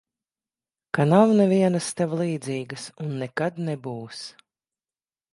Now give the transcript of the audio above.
Ka nav nevienas tev līdzīgas un nekad nebūs.